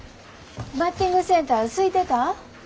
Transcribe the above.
バッティングセンターすいてた？